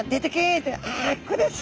って。